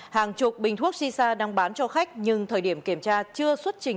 hàng chục bình thuốc shisha đang bán cho khách nhưng thời điểm kiểm tra chưa xuất trình